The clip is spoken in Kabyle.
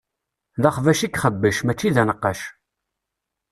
D axbac i ixebbec, mačči d anqac.